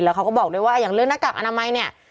เขาก็บอกด้วยว่าอย่างเรื่องหน้ากากอนามัยเนี่ย